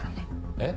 えっ？